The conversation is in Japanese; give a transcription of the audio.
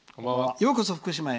ようこそ福島へ。